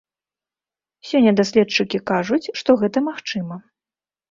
Сёння даследчыкі кажуць, што гэта магчыма.